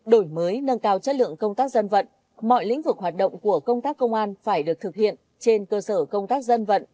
đổi mới nâng cao chất lượng công tác dân vận mọi lĩnh vực hoạt động của công tác công an phải được thực hiện trên cơ sở công tác dân vận